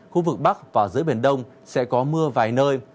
khu vực bắc và giữa biển đông sẽ có mưa vài nơi